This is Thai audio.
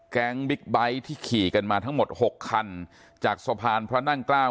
บิ๊กไบท์ที่ขี่กันมาทั้งหมด๖คันจากสะพานพระนั่งเกล้า